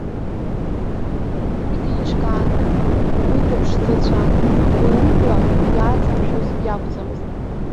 Уи деиҿкаан, уи дыԥшӡацәан, уи убла иааҵамшәоз иакәӡамызт.